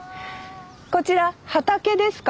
こちら畑ですか？